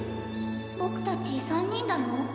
僕たち３人だよ？